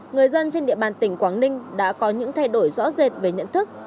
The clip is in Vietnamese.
người dân trên địa bàn tỉnh quảng ninh đã có những thay đổi rõ rệt về nhận thức